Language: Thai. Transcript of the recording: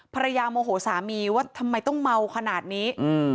ภรรยาโมโหสามีว่าทำไมต้องเมาขนาดนี้อืม